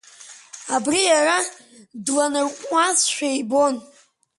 Абри иара дланарҟәуазшәа ибон.